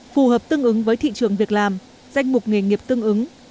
phù hợp tương ứng với thị trường việc làm danh mục nghề nghiệp tương ứng